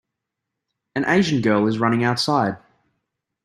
An asian girl is running outside.